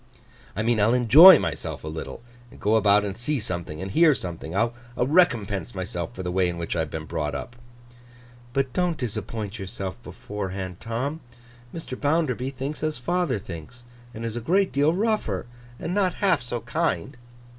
'I mean, I'll enjoy myself a little, and go about and see something, and hear something. I'll recompense myself for the way in which I have been brought up.' 'But don't disappoint yourself beforehand, Tom. Mr. Bounderby thinks as father thinks, and is a great deal rougher, and not half so kind.